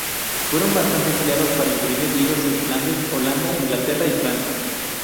Fueron bastante empleados para imprimir libros en Flandes, Holanda, Inglaterra y Francia.